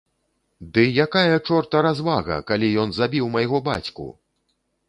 Ды якая чорта развага, калі ён забіў майго бацьку!